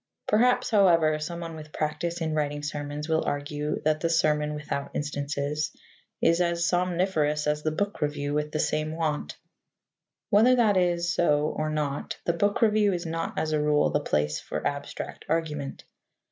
Perhaps, however, someone with practice in writing sermons will argue that the sermon without instances is as somniferous as the book review with the same want. Whether that it so or not, the book review is not, as a rule, the place for abstract argument.